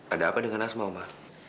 ada apa dengan asma oma